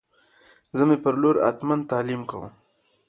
زه می پر لور او هتمن تعلیم کوم